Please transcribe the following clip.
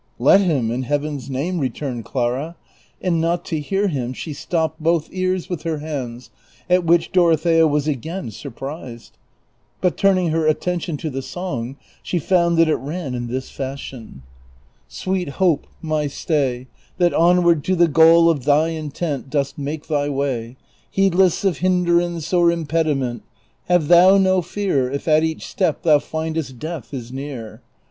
" Let him, in Heaven's name," returned Clara; and not to hear him she stopped both ears with her hands, at which Dorothea was again surprised ; but turning her attention to the song she found that it ran in this fashion : Sweet Hope, my stay, That onward to the goal of thy intent Dost make thy way. Heedless of hinderance or impediment, Have thou no fear If at each step thou findest death is near.